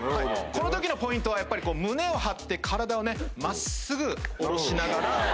この時のポイントはやっぱり胸を張って体を真っすぐ下ろしながら。